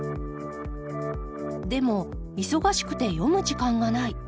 でも忙しくて読む時間がない。